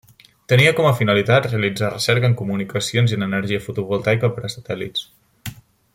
Tenia com a finalitat realitzar recerca en comunicacions i en energia fotovoltaica per a satèl·lits.